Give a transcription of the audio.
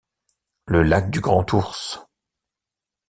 Le lac du Grand-Ours —